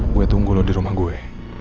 gue tunggu loh di rumah gue